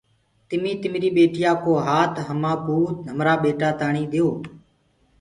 تمي تمري ٻيتايا ڪو هآت هماڪوٚ هرآ تآڻيٚ ديئو۔